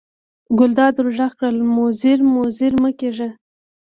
ګلداد ور غږ کړل: مزری مزری مه کېږه.